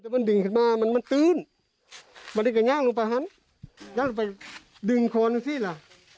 มันดึงขึ้นมามันมันตื้นมันได้กระย่างลงไปหันย่างลงไปดึงคอนซิล่ะ